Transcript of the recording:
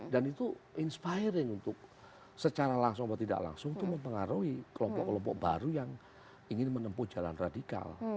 dan itu inspiring untuk secara langsung atau tidak langsung itu mempengaruhi kelompok kelompok baru yang ingin menempuh jalan radikal